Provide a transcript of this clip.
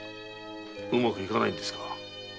うまくいかないんですか？